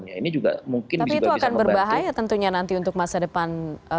tapi itu akan berbahaya tentunya nanti untuk masa depan